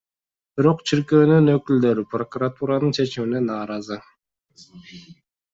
Бирок чиркөөнүн өкүлдөрү прокуратуранын чечимине нааразы.